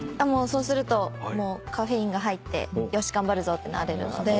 そうするとカフェインが入ってよし頑張るぞってなれるので。